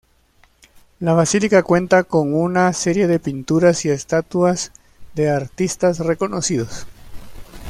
La basílica cuenta con una serie de pinturas y estatuas de artistas reconocidos.